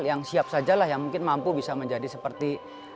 yang siap sajalah yang mungkin mampu bisa menjadi seperti